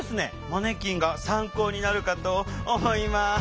マネキンが参考になるかと思います！？